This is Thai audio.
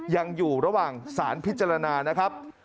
ยังอยู่ระหว่างสารพิจารณานะครับ